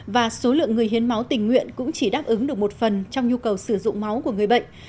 và số lượng người hiến máu tình nguyện cũng chỉ đáp ứng được một phần trong nhu cầu sử dụng máu của người bệnh